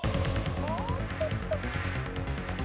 もうちょっと！